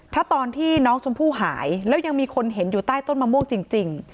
ถ้าตอนที่น้องชมพู่หายแล้วยังมีคนเห็นอยู่ใต้ต้นมะม่วงจริง